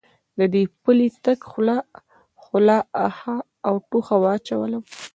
دې پلی تګ خو له آخه او ټوخه واچولم.